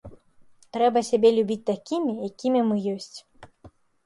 Трэба сябе любіць такімі, якімі мы ёсць.